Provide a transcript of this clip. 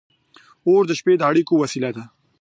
• اور د شپې د اړیکو وسیله وه.